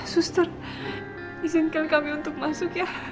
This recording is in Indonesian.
suster izinkan kami untuk masuk ya